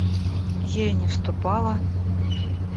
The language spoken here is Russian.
– Я и не вступала.